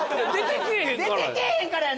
出てけえへんからや。